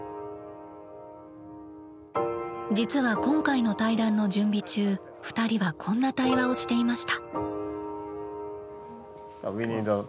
実は今回の対談の準備中２人はこんな対話をしていました。